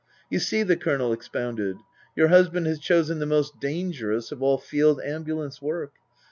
" You see," the Colonel expounded, " your husband has chosen the most dangerous of all field ambulance work.